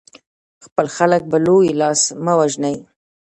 خپل خلک په لوی لاس مه وژنئ.